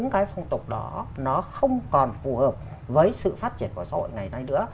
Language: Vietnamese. cái phong tục đó nó không còn phù hợp với sự phát triển của xã hội ngày nay nữa